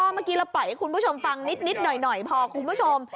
เมื่อกี้เราปล่อยให้คุณผู้ชมฟังนิดหน่อยพอคุณผู้ชม